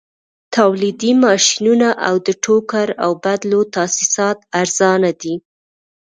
تولیدي ماشینونه او د ټوکر اوبدلو تاسیسات ارزانه دي